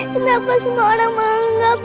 kenapa kamu menangis